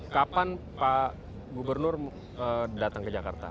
kapan pak gubernur datang ke jakarta